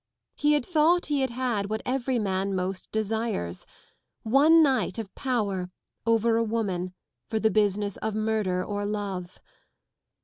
He had thought he had had what every man most desires : one night of power over a woman for the business of murder or love.